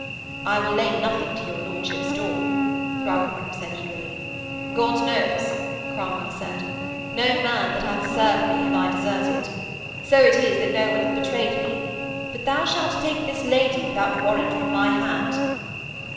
'I will lay nothing to your lordship's door,' Throckmorton said eagerly. 'God knows!' Cromwell said. 'No man that hath served me have I deserted. So it is that no one hath betrayed me. But thou shalt take this lady without warrant from my hand.'